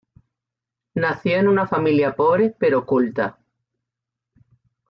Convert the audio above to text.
Nació en una familia pobre pero culta.